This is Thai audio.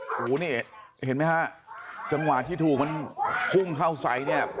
โอ้โหนี่เห็นมั้ยครับจังหวะที่ถูกมันคุ่มเข้าใสเนี่ย